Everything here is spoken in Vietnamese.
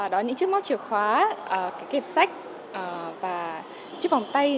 đó những chiếc móc chìa khóa cái kẹp sách và chiếc vòng tay